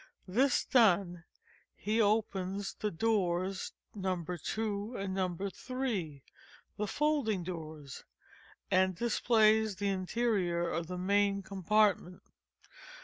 This done, he opens the doors No. 2 and No. 3, (the folding doors) and displays the interior of the main compartment.